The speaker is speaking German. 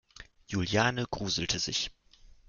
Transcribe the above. Juliane gruselt sich.